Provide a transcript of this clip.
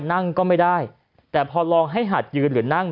นั่งก็ไม่ได้แต่พอลองให้หัดยืนหรือนั่ง